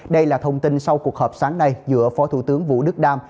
đây là thông tin sau cuộc họp sáng nay giữa phó thủ tướng vũ đức đam